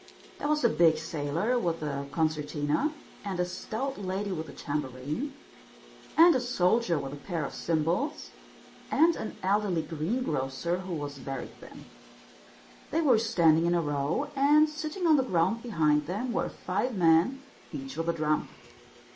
There was a big sailor with a concertina, and a stout lady with a tambourine, and a soldier with a pair of cymbals, and an elderly greengrocer, who was very thin. They were standing in a row, and sitting on the ground behind them were five men, each with a drum.